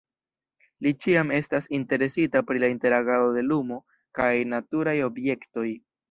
Li ĉiam estas interesita pri la interagado de lumo kaj naturaj objektoj.